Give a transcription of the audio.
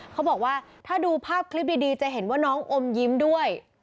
เขาบอกว่าถ้าดูภาพคลิปดีจะเห็นว่าน้องอมยิ้มด้วย